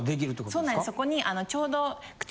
そうなんですそこに。